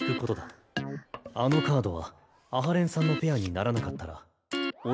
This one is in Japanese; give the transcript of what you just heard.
あのカードは阿波連さんのペアにならなかったらああ！